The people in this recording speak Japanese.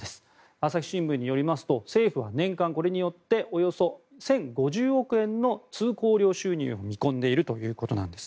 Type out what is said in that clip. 朝日新聞によりますと政府は年間これによっておよそ１０５０億円の通航料収入を見込んでいるということです。